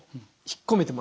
引っ込める。